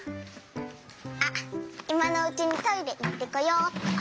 あっいまのうちにトイレいってこよっと！